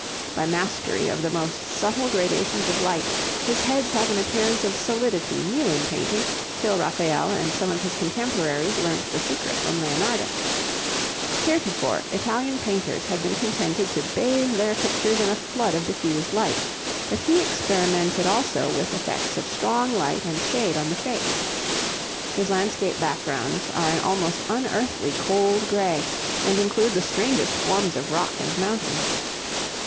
By mastery of the most subtle gradations of light, his heads have an appearance of solidity new in painting, till Raphael and some of his contemporaries learnt the secret from Leonardo. Heretofore, Italian painters had been contented to bathe their pictures in a flood of diffused light, but he experimented also with effects of strong light and shade on the face. His landscape backgrounds are an almost unearthly cold grey, and include the strangest forms of rock and mountain.